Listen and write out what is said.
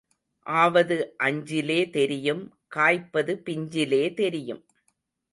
ஆவது அஞ்சிலே தெரியும் காய்ப்பது பிஞ்சிலே தெரியும்.